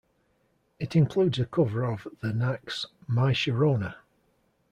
It includes a cover of The Knack's "My Sharona".